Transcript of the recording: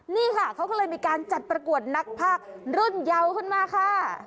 นี่ค่ะเขาก็เลยมีการจัดประกวดนักภาครุ่นเยาขึ้นมาค่ะ